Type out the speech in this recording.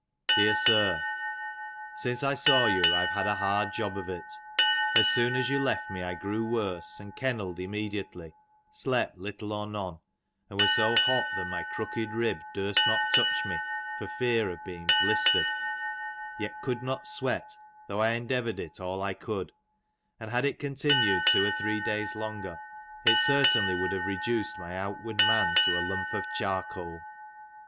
Dr. Sir, Since I saw you I have had a hard job of it. As soon as you left me I grew worse, and kenneled immediately, slept little or none, and was BO hot that my crooked rib durst not touch me for fear of being "bhstered, yet could not sweat, tho' I endeavoured it all I could : and had it continued two or three days longer, it certainly would have reduced my outward man to a lump of charcoal.